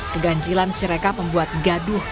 keganjilan sirekap membuat gaduh